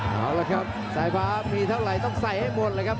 เอาละครับสายฟ้ามีเท่าไหร่ต้องใส่ให้หมดเลยครับ